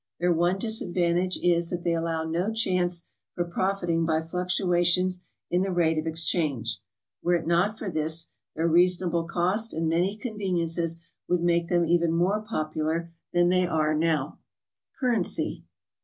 Their one disadvantage is that they allow no chance for profiting by fluctuations in the rate of exchange. Were it not for this, their reason able cost and many conveniences would make them even more popular than they now arc, CURRENCY.